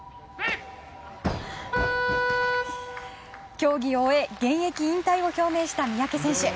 競技を終え、現役引退を表明した三宅選手。